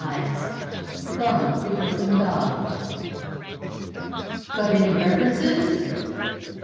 148 BUM: A BROOKLYN DOG G OT any references